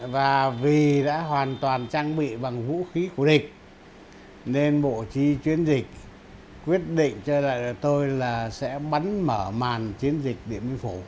và vì đã hoàn toàn trang bị bằng vũ khí của địch nên bộ trí chiến dịch quyết định cho đại đội tôi là sẽ bắn mở màn chiến dịch điện biên phủ